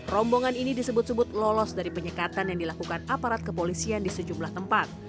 rombongan ini disebut sebut lolos dari penyekatan yang dilakukan aparat kepolisian di sejumlah tempat